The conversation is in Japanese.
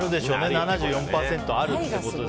７４％あるってことで。